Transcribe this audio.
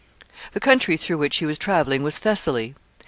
] The country through which he was traveling was Thessaly.